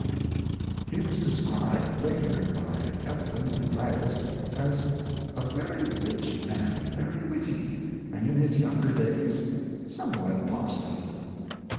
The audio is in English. ^ He was described, later, by Evelyn the diarist, as ' a very rich man, very witty, and in his younger days somewhat positive